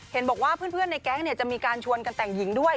เห็นบอกว่าเพื่อนในแก๊งจะมีการชวนกันแต่งหญิงด้วย